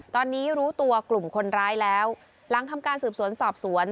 ตอนนี้รู้ตัวกลุ่มคนร้ายแล้วหลังทำการสืบสวนสอบสวน